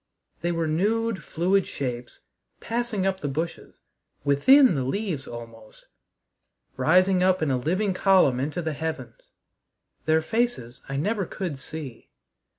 They were nude, fluid shapes, passing up the bushes, within the leaves almost rising up in a living column into the heavens. Their faces I never could see.